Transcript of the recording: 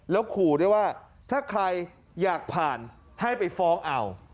แล้วขู่ด้วยว่าถ้าใครอยากผ่านให้ไปฟ้องเอา